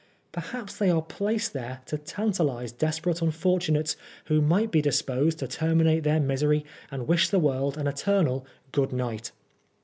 Perhaps they are placed there to tantalise desperate unfortunates who might be disposed to terminate their misery and wish the world an eternal "Good Night!"